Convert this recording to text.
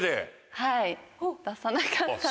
はい出さなかったんです。